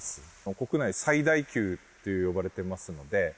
国内最大級と呼ばれていますので。